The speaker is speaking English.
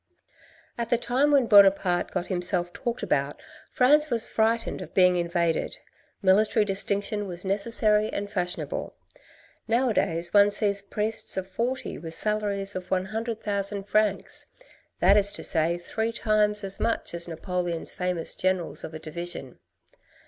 A NEGOTIATION 25 " At the time when Buonaparte got himself talked about, France was frightened of being invaded ; military distinction was necessary and fashionable. Nowadays, one sees priests of forty with salaries of 100,000 francs, that is to say, three times as much as Napoleon's famous generals of a division.